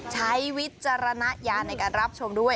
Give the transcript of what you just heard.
ใช้วิจารณระยะในการรับชมด้วย